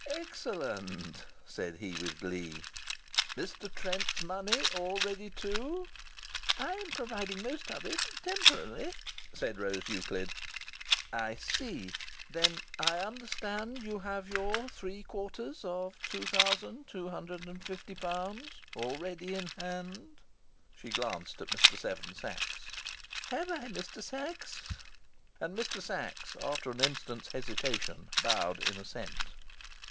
"Excellent!" said he, with glee. "Mr. Trent's money all ready, too?" "I am providing most of it temporarily," said Rose Euclid. "I see. Then I understand you have your three quarters of £2250 all ready in hand." She glanced at Mr. Seven Sachs. "Have I, Mr. Sachs?" And Mr. Sachs, after an instant's hesitation, bowed in assent.